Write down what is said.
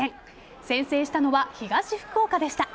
先制したのは東福岡でした。